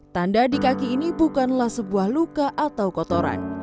tanda di kaki ini bukanlah sebuah luka atau kotoran